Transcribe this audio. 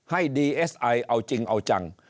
ให้ดีเอสไอเอาจริงเอาจัง